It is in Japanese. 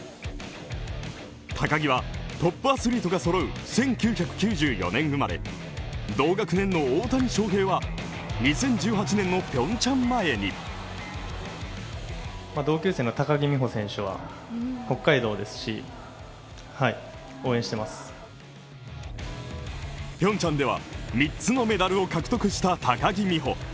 高木はトップアスリートがそろう、１９９４年生まれ、同学年の大谷翔平は、２０１８年のピョンチャン前にピョンチャンでは、三つのメダルを獲得した高木美帆。